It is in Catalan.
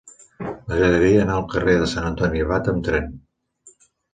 M'agradaria anar al carrer de Sant Antoni Abat amb tren.